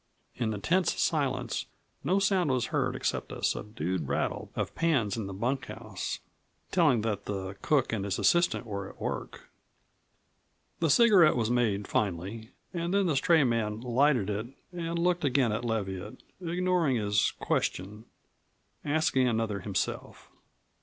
In the tense silence no sound was heard except a subdued rattle of pans in the bunkhouse telling that the cook and his assistant were at work. The cigarette was made finally, and then the stray man lighted it and looked again at Leviatt, ignoring his question, asking another himself.